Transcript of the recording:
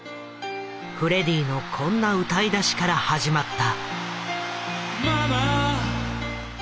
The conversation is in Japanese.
フレディのこんな歌いだしから始まった。